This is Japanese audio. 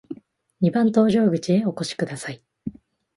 二番搭乗口へお越しください。